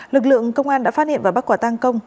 lực lượng công an đã phát hiện và bắt quả tang công